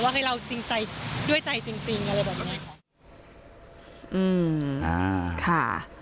ว่าให้เราด้วยใจจริงอะไรแบบนี้